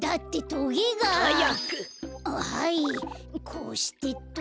こうしてと。